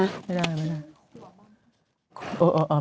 ไม่ได้